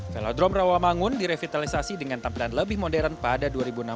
velodrome rawamangun direvitalisasi dengan tampilan lebih modern pada dua ribu enam belas